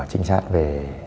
trinh sát về